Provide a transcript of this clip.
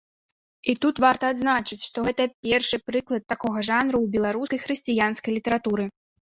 І тут варта адзначыць, што гэта першы прыклад такога жанру ў беларускай хрысціянскай літаратуры.